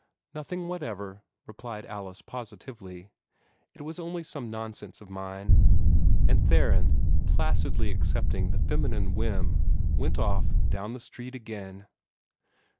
"Nothing whatever," replied Alice, positively. "It was only some nonsense of mine;" and Theron, placidly accepting the feminine whim, went off down the street again.